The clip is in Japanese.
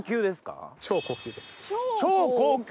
超高級。